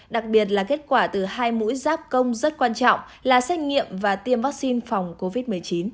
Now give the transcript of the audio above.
đặc biệt là kết quả từ hai mũi giáp công rất quan trọng là xét nghiệm và tiêm vaccine phòng covid một mươi chín